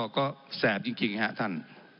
ก็แสบจริงครับท่าน